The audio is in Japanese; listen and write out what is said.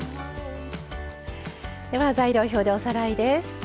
材料表でおさらいです。